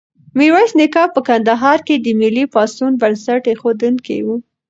میرویس نیکه په کندهار کې د ملي پاڅون بنسټ ایښودونکی و.